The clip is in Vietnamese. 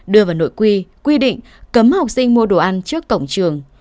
đưa vào nội quy quy định cấm học sinh mua đồ ăn trước cổng trường